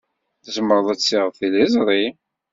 Tzemred ad tessiɣed tiliẓri?